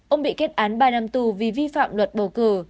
ông bị kết án ba năm tù vì vi phạm luật bầu cử